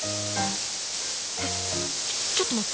えっちょちょっと待って！